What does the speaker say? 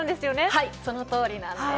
はいその通りなんです。